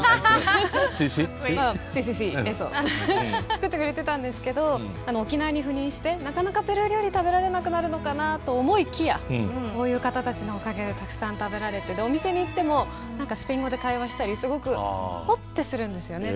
作ってくれてたんですけど沖縄に赴任してなかなかペルー料理食べられなくなるのかなと思いきやこういう方たちのおかげでたくさん食べられてお店に行ってもスペイン語で会話したりすごくホッてするんですよね。